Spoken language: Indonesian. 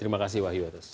terima kasih wahyu atas